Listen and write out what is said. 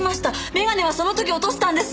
眼鏡はその時に落としたんです。